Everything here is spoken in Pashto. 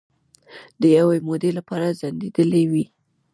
د یوې مودې لپاره ځنډیدېلې وې